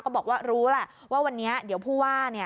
ก็บอกว่ารู้แล้วว่าวันนี้หล่วงพู่ว่า